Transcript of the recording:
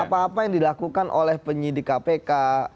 apa apa yang dilakukan oleh penyidik kpk